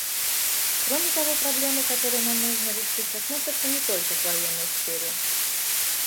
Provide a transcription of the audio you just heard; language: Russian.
Кроме того, проблемы, которые нам нужно решить, относятся не только к военной сфере.